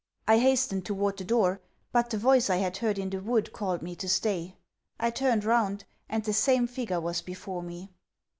I hastened toward the door, but the voice I had heard in the wood called me to stay. I turned round, and the same figure was before me.